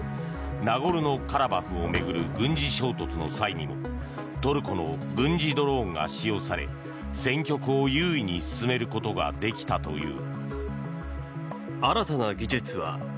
ナゴルノ・カラバフを巡る軍事衝突の際にもトルコの軍事ドローンが使用され戦局を優位に進めることができたという。